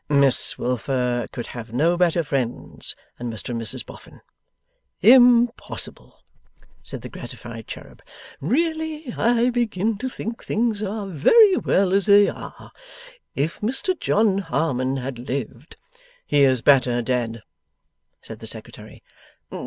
'Miss Wilfer could have no better friends than Mr and Mrs Boffin.' 'Impossible!' said the gratified cherub. 'Really I begin to think things are very well as they are. If Mr John Harmon had lived ' 'He is better dead,' said the Secretary.